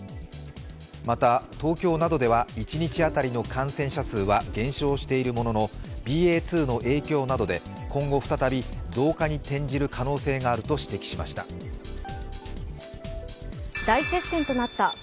また、東京などでは一日当たりの感染者数は減少しているもののＢＡ．２の影響などで、今後再び増加に転じる可能性があると指摘しました。